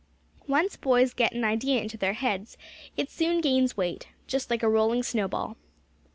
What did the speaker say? Once boys get an idea in their heads, it soon gains weight, just like a rolling snowball.